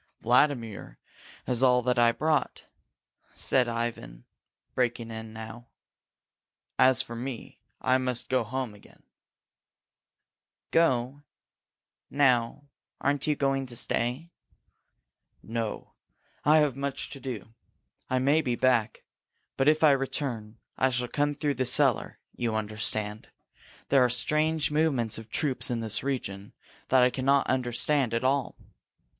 "Vladimir has all that I brought," said Ivan, breaking in now. "As for me, I must go again." "Go? Now? Aren't you going to stay?" "No! I have much to do. I may be back. But if I return, I shall come through the cellar you understand? There are strange movements of troops in this region that I cannot understand at all.